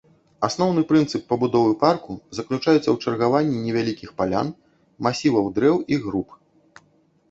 Асноўны прынцып пабудовы парку заключаецца ў чаргаванні невялікіх палян, масіваў дрэў і груп.